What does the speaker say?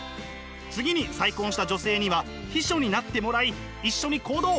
次に再婚した女性には秘書になってもらい一緒に行動！